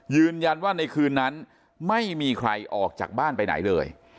ยืนยันว่าในคืนนั้นไม่มีใครออกจากบ้านไปไหนเลย